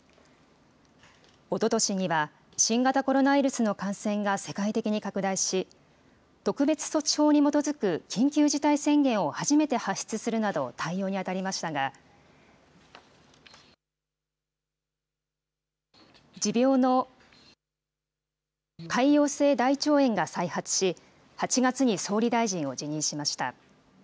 おととしには、新型コロナウイルスの感染が世界的に拡大し、特別措置法に基づく緊急事態宣言を初めて発出するなど、対応に当たりましたが、持病の潰瘍性大腸炎が再発し、８月に総理大臣を辞任しました。